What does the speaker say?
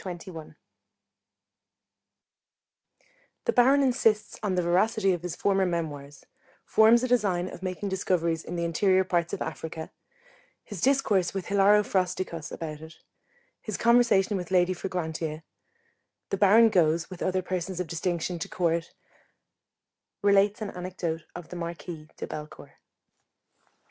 CHAPTER XXI _The Baron insists on the veracity of his former Memoirs Forms a design of making discoveries in the interior parts of Africa His discourse with Hilaro Frosticos about it His conversation with Lady Fragrantia The Baron goes, with other persons of distinction, to Court; relates an anecdote of the Marquis de Bellecourt.